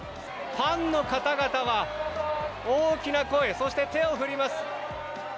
ファンの方々は大きな声、そして手を振ります。